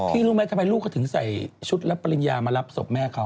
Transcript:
รู้ไหมทำไมลูกเขาถึงใส่ชุดรับปริญญามารับศพแม่เขา